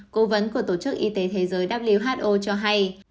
cố vấn của tổ chức y tế thế giới who cho hay